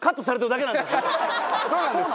そうなんですか？